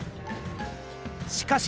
しかし！